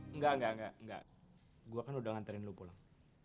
enggak enggak enggak gue kan udah nganterin lu pulang